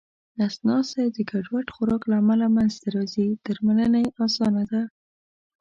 نس ناستی د ګډوډ خوراک له امله منځته راځې درملنه یې اسانه ده